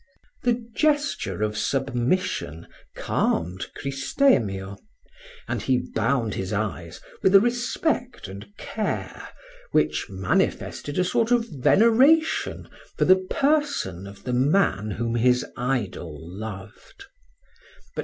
The gesture of submission calmed Cristemio, and he bound his eyes with a respect and care which manifested a sort of veneration for the person of the man whom his idol loved.